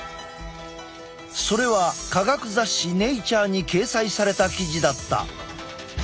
それは科学雑誌「ｎａｔｕｒｅ」に掲載された記事だった。